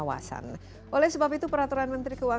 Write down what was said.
iya seukra betul sekali vamos betul adrian